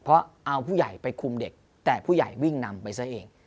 เพราะเอาผู้ใหญ่ไปคุมเด็กแต่ผู้ใหญ่วิ่งนำไปซะเอง